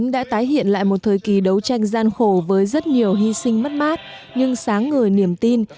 đã tái hiện lại một thời kỳ đấu tranh gian khổ với rất nhiều hy sinh mất mát nhưng sáng ngời niềm tin